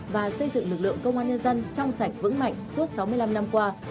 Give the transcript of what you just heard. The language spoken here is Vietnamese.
và xây dựng lực lượng công an nhân dân trong sạch vững mạnh suốt sáu mươi năm năm qua